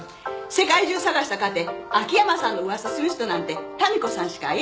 世界中探したかて秋山さんの噂する人なんて民子さんしかいはらへんし。